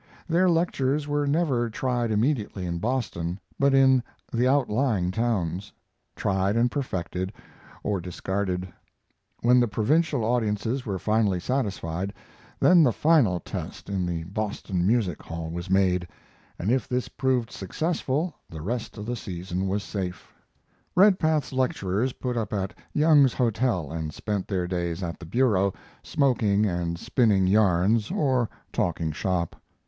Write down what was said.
Their lectures were never tried immediately in Boston, but in the outlying towns; tried and perfected or discarded. When the provincial audiences were finally satisfied, then the final. test in the Boston Music Hall was made, and if this proved successful the rest of the season was safe. Redpath's lecturers put up at Young's Hotel, and spent their days at the bureau, smoking and spinning yarns, or talking shop.